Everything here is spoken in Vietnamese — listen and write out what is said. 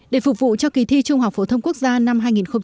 để phục vụ cho kỳ thi trung học phổ thông quốc gia năm hai nghìn một mươi chín